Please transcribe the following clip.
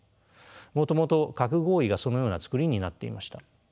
もともと核合意がそのような作りになっていました。